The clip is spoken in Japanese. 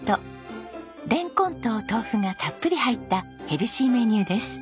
レンコンと豆腐がたっぷり入ったヘルシーメニューです。